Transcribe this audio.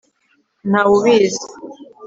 Ntawe ubizi